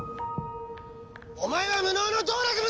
お前は無能の道楽娘だ！